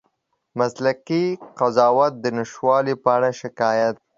مسلکي قضاوت د نشتوالي په اړه شکایت